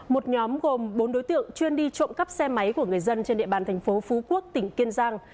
một nhóm gồm bốn đối tượng chuyên đi trộm cắp xe máy của người dân trên địa bàn thành phố phú quốc tỉnh kiên giang